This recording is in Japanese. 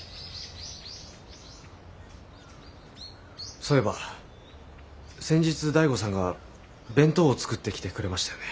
そういえば先日醍醐さんが弁当を作ってきてくれましたよね。